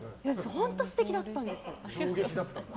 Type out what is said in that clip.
本当、素敵だったんです。